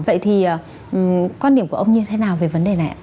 vậy thì quan điểm của ông như thế nào về vấn đề này ạ